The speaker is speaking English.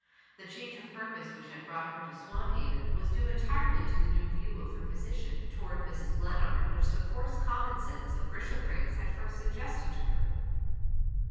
The change of purpose which had brought her to Swanhaven was due entirely to the new view of her position toward Mrs. Glenarm which the coarse commonsense of Bishopriggs had first suggested to her.